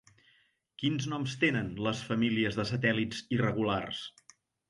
Quins noms tenen les famílies de satèl·lits irregulars?